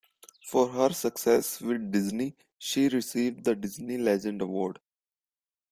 For her success with Disney she received the Disney Legend Award.